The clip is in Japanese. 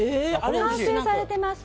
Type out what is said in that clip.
完成されてます。